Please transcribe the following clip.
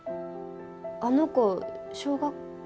あの子小学校。